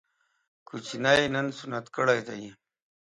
کوچنی يې نن سنت کړی دی